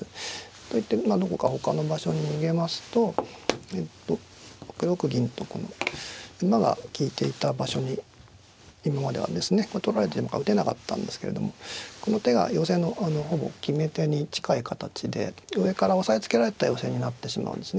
といってまあどこかほかの場所に逃げますとえっと６六銀とこの馬が利いていた場所に今まではですね取られてるから打てなかったんですけれどもこの手が寄せのほぼ決め手に近い形で上から押さえつけられた寄せになってしまうんですね。